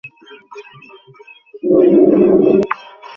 ভর্তা দিয়ে চিতই পিঠা খেতে বিকেল থেকেই মানুষের ভিড় বাড়তে থাকে।